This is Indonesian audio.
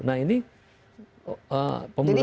nah ini pembelajaran